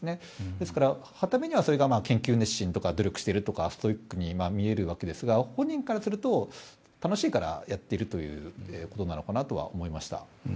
ですから、傍目にはそれが研究熱心とか努力しているとかストイックとかに見えるわけですが本人からすると、楽しいからやっているということなのかなとは思いました。